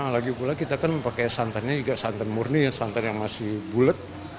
lagi pula kita kan pakai santannya juga santan murni ya santan yang masih bulet